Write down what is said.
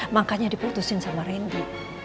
makanya diputusin sama randy